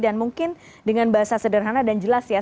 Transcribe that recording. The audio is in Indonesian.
dan mungkin dengan bahasa sederhana dan jelas ya